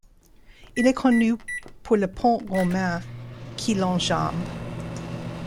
Il est connu pour le pont romain qui l'enjambe.